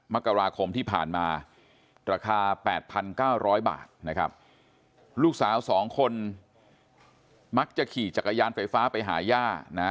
มกราคมที่ผ่านมาราคา๘๙๐๐บาทนะครับลูกสาว๒คนมักจะขี่จักรยานไฟฟ้าไปหาย่านะ